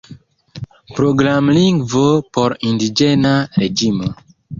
Programlingvo por indiĝena reĝimo.